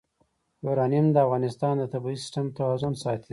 یورانیم د افغانستان د طبعي سیسټم توازن ساتي.